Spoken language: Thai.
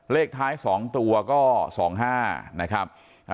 เลขท้าย๒ตัวก็๒๕นะครับ